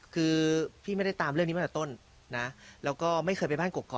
คือพี่ไม่ได้ตามเรื่องนี้มาตั้งแต่ต้นนะแล้วก็ไม่เคยไปบ้านกรกคอ